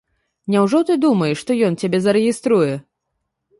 Няўжо ты думаеш, што ён цябе зарэгіструе?